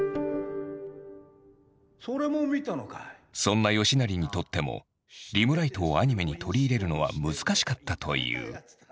そんな吉成にとってもリムライトをアニメに取り入れるのは難しかったという。